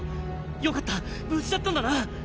よかった無事だったんだな！